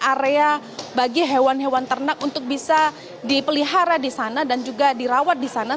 area bagi hewan hewan ternak untuk bisa dipelihara di sana dan juga dirawat di sana